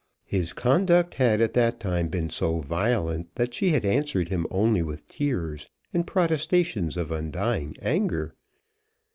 His conduct had at that time been so violent that she had answered him only with tears and protestations of undying anger.